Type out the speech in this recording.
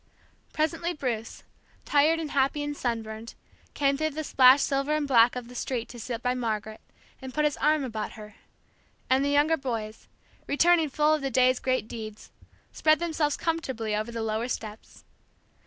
Presently Bruce, tired and happy and sunburned, came through the splashed silver and black of the street to sit by Margaret, and put his arm about her; and the younger boys, returning full of the day's great deeds, spread themselves comfortably over the lower steps.